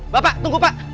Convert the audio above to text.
bapak tunggu pak